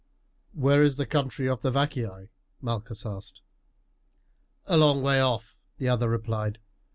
"Where is the country of the Vacaei?" Malchus asked. "A long way off," the other replied.